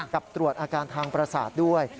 กับตรวจอาการทางประสาทด้วย